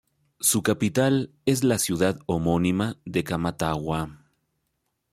Su capital es la ciudad homónima de Camatagua.